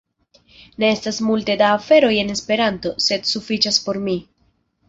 Ne estas multe da aferoj en Esperanto, sed sufiĉas por mi.